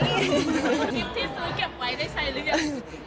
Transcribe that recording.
คลิปที่ซื้อเก็บไว้ได้ใช้หรือยัง